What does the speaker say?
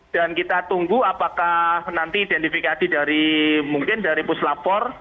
dan kita tunggu apakah nanti identifikasi dari mungkin dari puslapor